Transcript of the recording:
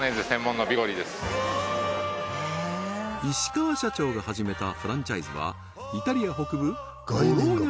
石川社長が始めたフランチャイズはイタリア北部ボローニャ